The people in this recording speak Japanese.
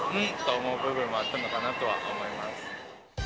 思う部分もあったのかなとは思います。